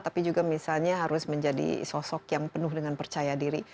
tapi juga misalnya harus menjadi sosok yang penuh dengan percaya diri